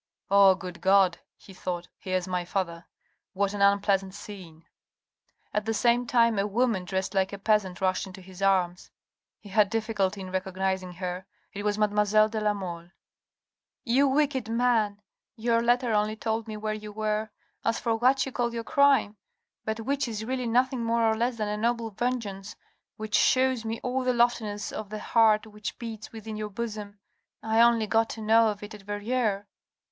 "Oh! good God," he thought, "here's my father ! What an unpleasant scene !" At the same time a woman dressed like a peasant rushed into his arms. He had difficulty in recognising her. It was mademoiselle de la Mole. " You wicked man ! Your letter only told me where yon were. As for what you call your crime, but which is really nothing more or less than a noble vengeance, which shews me all the loftiness of the heart which beats within your bosom, I only got to know of it at Verrieres."